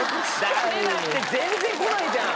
ダメだって全然こないじゃん。